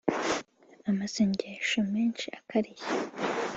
amasengesho menshi akarishye